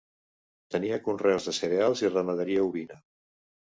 Tenia conreus de cereals i ramaderia ovina.